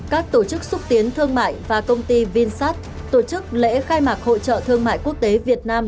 các tổ chức xúc tiến thương mại và công ty vinsat tổ chức lễ khai mạc hội trợ thương mại quốc tế việt nam